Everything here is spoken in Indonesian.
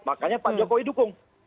makanya pak jokowi dukung